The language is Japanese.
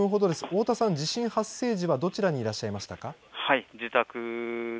太田さん、地震発生時はどちらにいらっしゃいましたか。